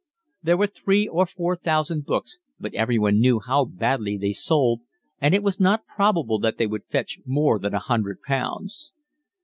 There were three or four thousand books, but everyone knew how badly they sold, and it was not probable that they would fetch more than a hundred pounds.